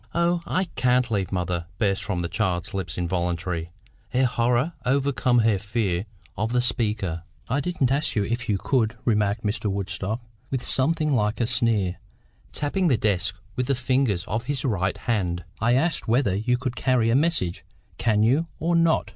"Oh, I can't leave mother!" burst from the child's lips involuntarily, her horror overcoming her fear of the speaker. "I didn't ask you if you could," remarked Mr. Woodstock, with something like a sneer, tapping the desk with the fingers of his right hand. "I asked whether you could carry a message. Can you, or not?"